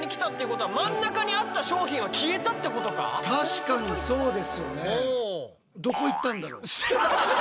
確かにそうですよね。